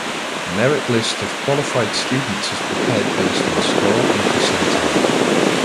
Merit list of qualified students is prepared based on score and percentile.